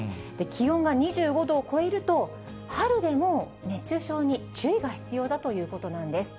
気温が２５度を超えると、春でも熱中症に注意が必要だということなんです。